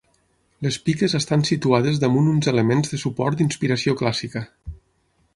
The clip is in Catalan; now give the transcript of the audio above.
Les piques estan situades damunt uns elements de suport d'inspiració clàssica.